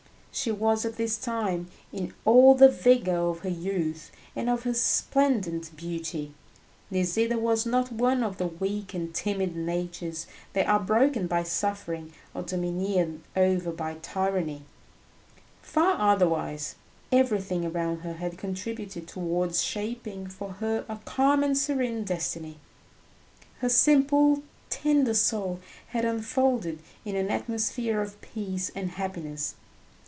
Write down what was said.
She was at this time in all the vigour of her youth and of her resplendent beauty. Nisida was not one of the weak and timid natures that are broken by suffering or domineered over by tyranny. Far otherwise: everything around her had contributed towards shaping for her a calm and serene destiny; her simple, tender soul had unfolded in an atmosphere of peace and happiness.